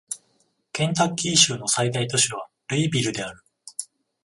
ケンタッキー州の最大都市はルイビルである